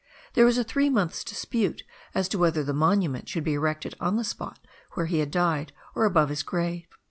There was a three months' dispute as to whether the monument should be erected on the spot where he had died or above his grave.